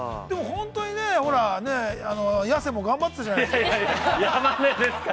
◆本当にね、痩せも頑張ってたじゃないですか。